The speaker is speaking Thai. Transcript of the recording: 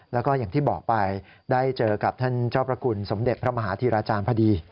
แล้วก็อย่างที่บอกไปได้เจอกับท่านเจ้าประกุลสมเด็จพระมหาธิราจารย์พอดี